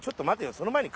その前に。